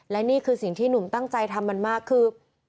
และนี่คือสิ่งที่หนุ่มตั้งใจทำมันมากคือ